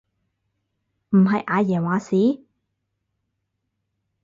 唔係阿爺話事？